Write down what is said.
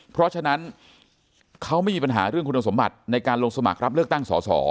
เพราะฉะนั้นเขาไม่มีปัญหาเรื่องคุณสมบัติในการลงสมัครรับเลือกตั้งสอสอ